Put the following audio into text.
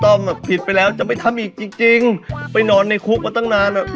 อ่ะผิดไปแล้วจะไปทำอีกจริงจริงไปนอนในคุกมาตั้งนานอ่ะ